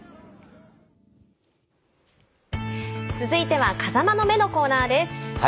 続いては「風間の目」のコーナーです。